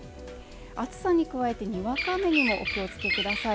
暑さに加えてにわか雨にもお気をつけください